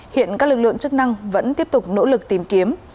hiện các lực lượng chức năng vẫn tiếp tục nỗ lực tìm kiếm